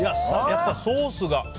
やっぱ、ソースが。